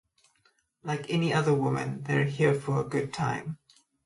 Like any other women, they’re here for a good time.